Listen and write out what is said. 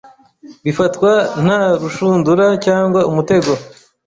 bifatwa nta rushundura cyangwa umutego